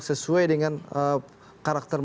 sesuai dengan karakter